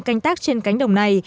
canh tác trên cánh đồng này